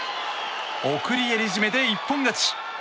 送り襟絞めで一本勝ち！